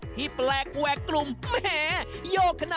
ที่เป็น